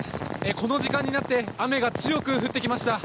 この時間になって雨が強く降ってきました。